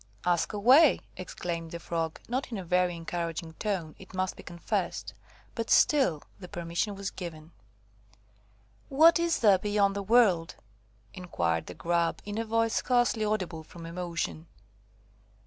"Ask away," exclaimed the Frog, not in a very encouraging tone, it must be confessed; but still the permission was given. "What is there beyond the world?" inquired the Grub, in a voice scarcely audible from emotion.